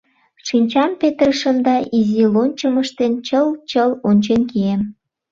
Шинчам петырышым да, изи лончым ыштен, чыл-чыл ончен кием.